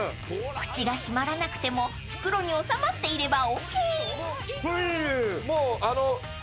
［口が閉まらなくても袋に収まっていればＯＫ］